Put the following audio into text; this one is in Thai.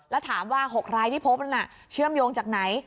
แล้วถามว่า๖รายที่พบนั้นเชื่อมโยงจากไหน